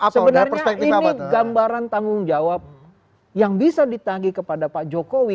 sebenarnya ini gambaran tanggung jawab yang bisa ditagi kepada pak jokowi